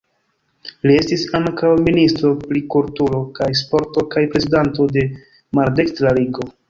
Li estis ankaŭ ministro pri kulturo kaj sporto kaj prezidanto de Maldekstra Ligo.